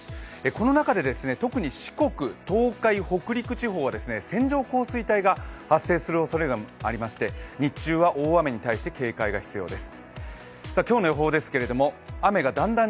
この中で特に四国、東海、北陸地方は線状降水帯が発生するおそれがありまして日中は大雨に対して警戒が必要です。